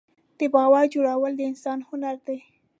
د باور جوړول د انسان هنر دی.